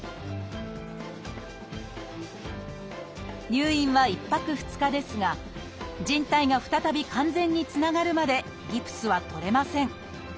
入院は１泊２日ですが靭帯が再び完全につながるまでギプスは取れません。